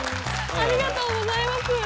ありがとうございます。